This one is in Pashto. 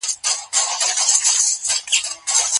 په لویه جرګه کي د ټولنیز عدالت د ټینګښت لپاره څه غوښتني دي؟